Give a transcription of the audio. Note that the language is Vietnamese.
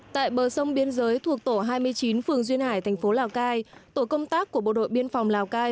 tại bờ sông biên giới thuộc tổ hai mươi chín phường duyên hải thành phố lào cai tổ công tác của bộ đội biên phòng lào cai